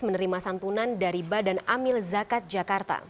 menerima santunan dari badan amil zakat jakarta